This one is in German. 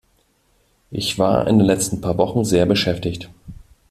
Ich war in den letzten paar Wochen sehr beschäftigt.